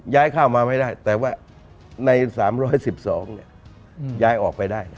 ข้าวมาไม่ได้แต่ว่าใน๓๑๒ย้ายออกไปได้